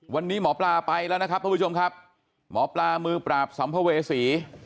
วันนี้หมอปลาไปแล้วนะครับท่านผู้ชมครับหมอปลามือปราบสัมภเวษี